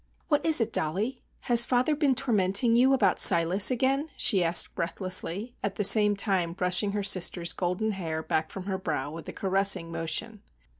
"What is it, Dollie? Has father been tormenting you about Silas again?" she asked breathlessly, at the same time brushing her sister's golden hair back from her brow with a caressing motion.